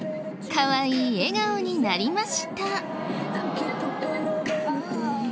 かわいい笑顔になりました。